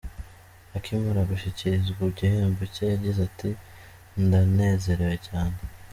Akimara gushyikirizwa igihembo cye yagize ati “Ndanezerewe cyane.